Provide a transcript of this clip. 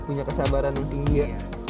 punya kesabaran yang tinggi ya